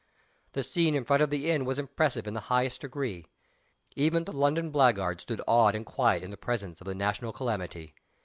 The scene in front of the inn was impressive in the highest degree. Even the London blackguard stood awed and quiet in the presence of the national calamity.